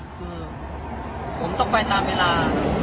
คือผมต้องไปตามเวลา